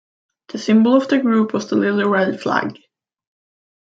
The symbol of the group was the little red flag.